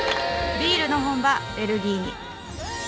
ビールの本場ベルギーに。